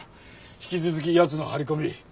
引き続き奴の張り込み頑張れよ。